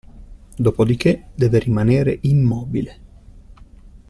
Dopodiché deve rimanere immobile.